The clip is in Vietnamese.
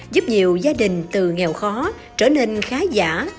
giúp nhiều gia đình từ nghèo khó trở nên khá giả